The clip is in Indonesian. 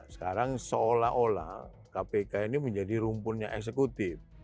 sekarang seolah olah kpk ini menjadi rumpunnya eksekutif